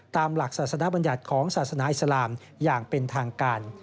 ตามหลักศาสนบัญญัติของศาสนาอิสลามอย่างเป็นทางการ